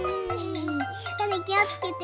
たねきをつけてね。